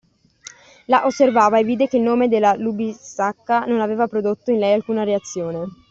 La osservava e vide che il nome della Lubiskaja non aveva prodotto in lei alcuna reazione.